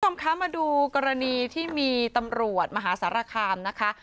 คุณผู้ชมคะมาดูกรณีที่มีตำรวจมหาสารคามนะคะ